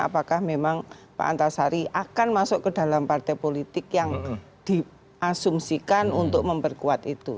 apakah memang pak antasari akan masuk ke dalam partai politik yang diasumsikan untuk memperkuat itu